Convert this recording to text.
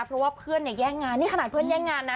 เพราะว่าเพื่อนเนี่ยแย่งงานนี่ขนาดเพื่อนแย่งงานนะ